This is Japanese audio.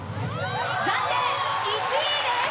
暫定１位です。